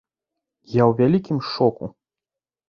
Я ў вялікім шоку.